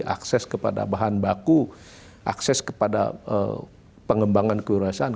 akses kepada bahan baku akses kepada pengembangan kelurahan